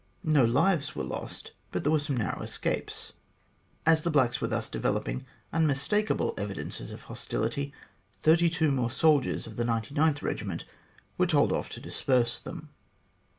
No lives were lost, but there were some narrow escapes. As the blacks were thus developing unmistakable evidences of hostility, thirty two more soldiers of the 99th Eegiment were told off to disperse them.